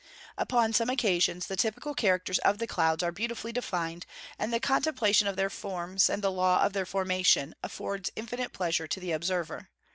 Upon some occasions the typical characters of the clouds are beautifully defined; and the contemplation of their forms, and the laws of their formation, affords infinite pleasure to the observer.